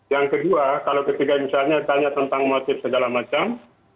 yang kedua kalau ketiga misalnya tanya tentang motif segala macam